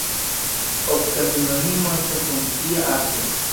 Ofta sinonimo estas funkcia arto.